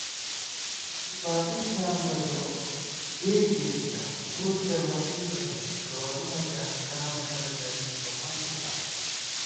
نُنگی باتی تھیاں بہ ژو، ہِیر کېئیتِکاں، ہُور کے امہ څُوئی تَنَئیک * گوَرُومہ تے ہنگارہ کرہ دری بی بمانتِتا